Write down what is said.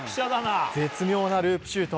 絶妙なループシュート。